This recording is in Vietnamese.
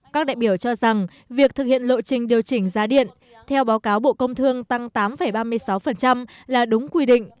các đại biểu cho rằng việc thực hiện lộ trình điều chỉnh giá điện theo báo cáo bộ công thương tăng tám ba mươi sáu là đúng quy định